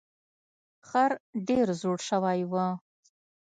خر ډیر زوړ شوی و.